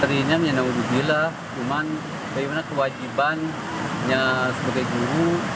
terinya menyenangkan cuma bagaimana kewajibannya sebagai guru